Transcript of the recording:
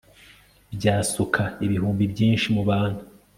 Byasuka ibihumbi byinshi mu bantu